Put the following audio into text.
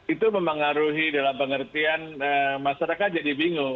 itu mempengaruhi dalam pengertian masyarakat jadi bingung